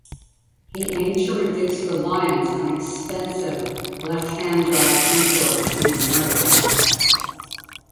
He aimed to reduce reliance on expensive, left-hand-drive imports from America.